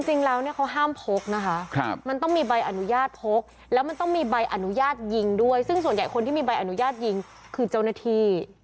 จริงแล้วเนี่ยเขาห้ามพกนะคะมันต้องมีใบอนุญาตพกแล้วมันต้องมีใบอนุญาตยิงด้วยซึ่งส่วนใหญ่คนที่มีใบอนุญาตยิงคือเจ้าหน้าที่